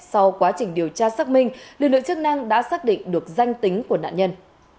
sau quá trình điều tra xác minh lực lượng chức năng đã xác định được danh tính của nạn nhân